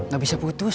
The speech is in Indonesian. gak bisa putus